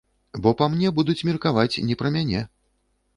Бо па мне будуць меркаваць не пра мяне.